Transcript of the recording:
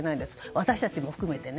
私たちも含めてね。